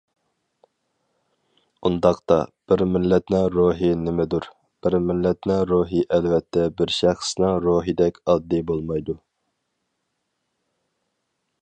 ئۇنداقتا، بىر مىللەتنىڭ روھى نېمىدۇر؟ بىر مىللەتنىڭ روھى ئەلۋەتتە بىر شەخسنىڭ روھىدەك ئاددىي بولمايدۇ.